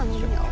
amin ya allah